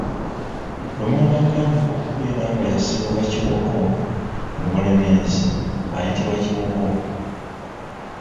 Lumonde agambibwa okubeera nga yasibuka Kiwoko mu Bulemeezi ayitibwa Kiwoko.